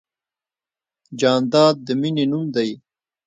جانداد د مینې نوم دی.